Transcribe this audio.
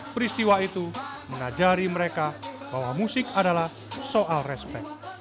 peristiwa itu mengajari mereka bahwa musik adalah soal respect